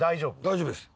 大丈夫です。